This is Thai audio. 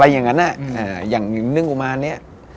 อย่างหนึ่งเรื่องกุมารเนี่ย